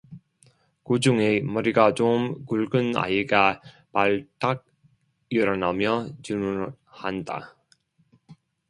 그 중에 머리가 좀 굵은 아이가 발딱 일어나며 질문을 한다.